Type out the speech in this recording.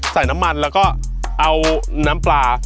ใส่น้ำมันแล้วก็เอาน้ำปลา